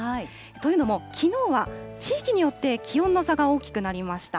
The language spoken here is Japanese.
というのも、きのうは地域によって気温の差が大きくなりました。